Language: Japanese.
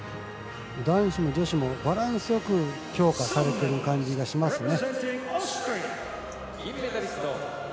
男子も女子もバランスよく強化されている感じがしますね。